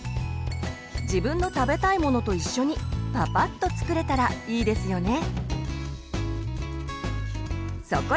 自分の食べたいものと一緒にパパッと作れたらいいですよね。